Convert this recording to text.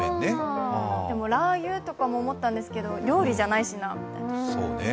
でもラー油とかも思ったんですけど料理じゃないなと思って。